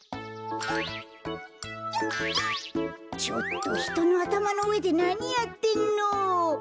ちょっとひとのあたまのうえでなにやってんの？